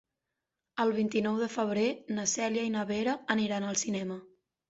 El vint-i-nou de febrer na Cèlia i na Vera aniran al cinema.